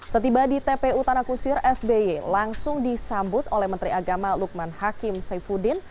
setiba di tpu tanah kusir sby langsung disambut oleh menteri agama lukman hakim saifuddin